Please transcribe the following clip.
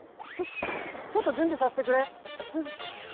ちょっと準備させてくれ。